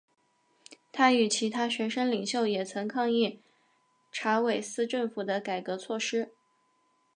他与其他学生领袖也曾抗议查韦斯政府的改革措施。